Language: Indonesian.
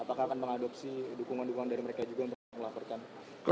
apakah akan mengadopsi dukungan dukungan dari mereka juga untuk melaporkan